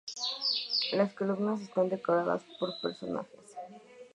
Las columnas están decoradas por personajes.